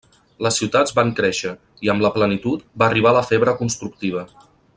Les ciutats van créixer i, amb la plenitud, va arribar la febre constructiva.